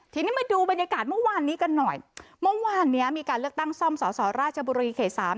ทีนี้มาดูบรรยากาศเมื่อวานนี้กันหน่อยเมื่อวานเนี้ยมีการเลือกตั้งซ่อมสอสอราชบุรีเขตสาม